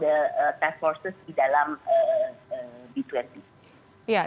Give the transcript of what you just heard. jadi kami juga mencoba untuk align dalam topik g dua puluh dalam topik g dua puluh